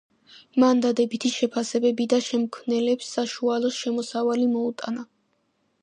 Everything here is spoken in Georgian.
მან დადებითი შეფასებები და შემქმნელებს საშუალო შემოსავალი მოუტანა.